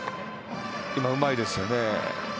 今のもうまいですよね。